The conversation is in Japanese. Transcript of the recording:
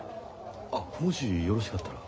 あっもしよろしかったら。